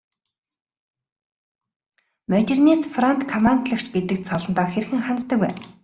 Модернист фронт командлагч гэдэг цолондоо хэрхэн ханддаг вэ?